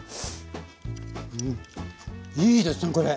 うんいいですねこれ！